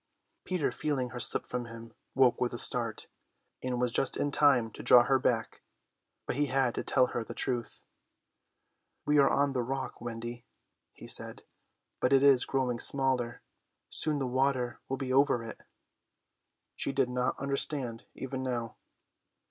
Peter, feeling her slip from him, woke with a start, and was just in time to draw her back. But he had to tell her the truth. "We are on the rock, Wendy," he said, "but it is growing smaller. Soon the water will be over it." She did not understand even now.